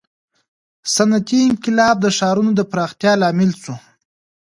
• صنعتي انقلاب د ښارونو د پراختیا لامل شو.